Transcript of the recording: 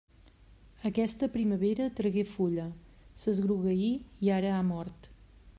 Aquesta primavera tragué fulla, s'esgrogueí i ara ha mort.